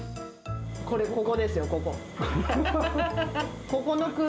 これ、ここですよ、ここ。